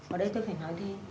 ở đây tôi phải nói thế